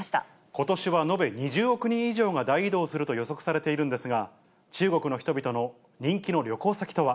ことしは延べ２０億人以上が大移動すると予測されているんですが、中国の人々の人気の旅行先とは。